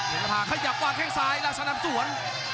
เย็นละพาขยับกว่าแข้งซ้ายราชดำสวน